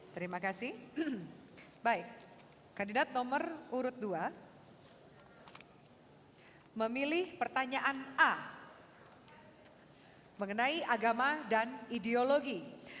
terima kasih baik kandidat nomor urut dua memilih pertanyaan a mengenai agama dan ideologi